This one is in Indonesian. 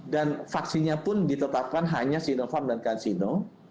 dan vaksinnya pun ditetapkan hanya sinovac dan kansino